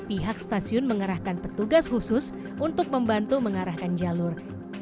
pihak stasiun mengerahkan petugas khusus untuk membantu mengarahkan jalur